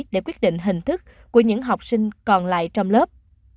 để quyết định hình thức của những học sinh còn lại trong lớp